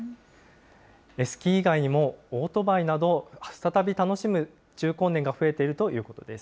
スキー以外にもオートバイなど、再び楽しむ中高年が増えているということです。